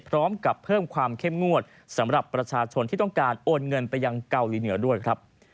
พร้อมกับเพิ่มความเข้มงวดสำหรับประชาชนที่ต้องการโอนเงินไปยังเกาหลีเหนือด้วยครับ